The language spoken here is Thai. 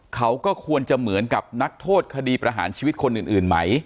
เขาก็ควรจะเหมือนกับนักโทษคดีประหารชีวิตคนอื่นไหม